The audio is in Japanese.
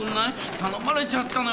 頼まれちゃったのよ